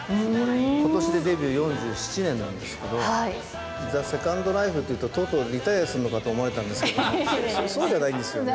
ことしでデビュー４７年なんですけど、ザ・セカンドライフっていうととうとうリタイアするのかと思われたんですけど、そうじゃないんですよ。